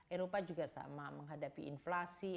eropa juga sama menghadapi inflasi